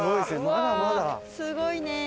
すごいね！